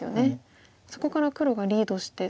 そこから黒がリードして。